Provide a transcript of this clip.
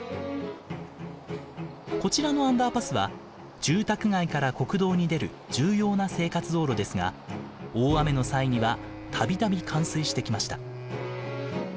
こちらのアンダーパスは住宅街から国道に出る重要な生活道路ですが大雨の際には度々冠水してきました。